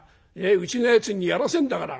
うちのやつにやらせんだから。